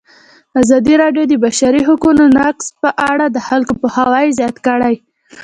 ازادي راډیو د د بشري حقونو نقض په اړه د خلکو پوهاوی زیات کړی.